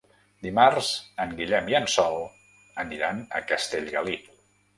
Dimarts en Guillem i en Sol aniran a Castellgalí.